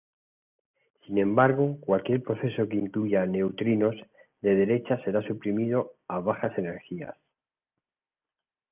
Sin embargo, cualquier proceso que incluya neutrinos de derecha será suprimido a bajas energías.